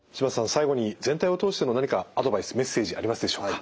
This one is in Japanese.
最後に全体を通しての何かアドバイスメッセージありますでしょうか？